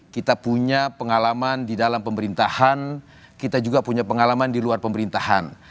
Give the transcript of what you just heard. kita punya pengalaman di dalam pemerintahan kita juga punya pengalaman di luar pemerintahan